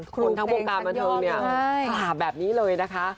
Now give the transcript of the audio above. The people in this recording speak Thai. คนทั้งปรุงการบรรทงศ์เนี่ยค่ะแบบนี้เลยนะคะ